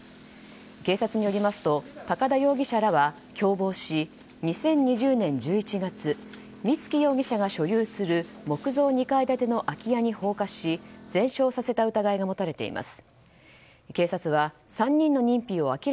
警察によりますと高田容疑者らは共謀し、２０２０年１１月光喜容疑者が所有する木造２階建ての空き家に放火し全焼させた疑いが持たれています。